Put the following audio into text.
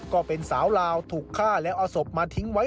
ก็เป็นสาวลาวถูกฆ่าแล้วเอาศพมาทิ้งไว้